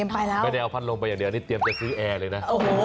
ไม่ได้เอาพัดลมไปอย่างเดียวนี่เตรียมจะซื้อแอร์เลยนะ